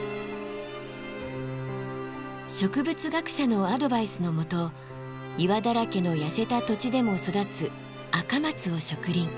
植物学者のアドバイスのもと岩だらけの痩せた土地でも育つアカマツを植林。